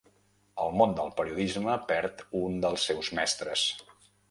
El món del periodisme perd un dels seus mestres.